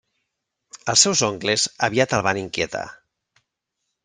Els seus oncles aviat el van inquietar.